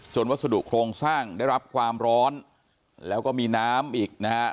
วัสดุโครงสร้างได้รับความร้อนแล้วก็มีน้ำอีกนะฮะ